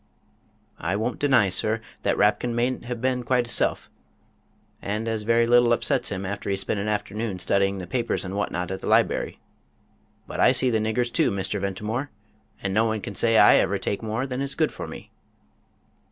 "I won't deny, sir, that Rapkin mayn't have been quite hisself, as a very little upsets him after he's spent an afternoon studying the papers and what not at the libery. But I see the niggers too, Mr. Ventimore, and no one can say I ever take more than is good for me."